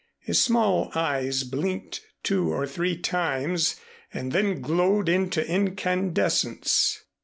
His small eyes blinked two or three times and then glowed into incandescence.